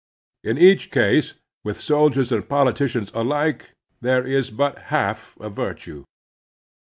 In each case, with sol diers and politicians alike, there is but half a virtue.